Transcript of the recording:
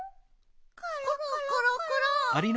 コロコロコロ。